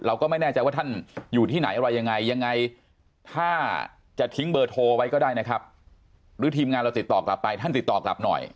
เราก็ไม่แน่ใจว่าท่านอยู่ที่ไหนอะไรยังไงยังไงถ้าจะทิ้งเบอร์โทรไว้ก็ได้นะครับหรือทีมงานเราติดต่อกลับไปท่านติดต่อกลับหน่อย